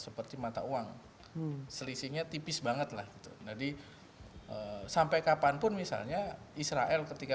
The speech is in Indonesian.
seperti mata uang selisihnya tipis banget lah jadi sampai kapanpun misalnya israel ketika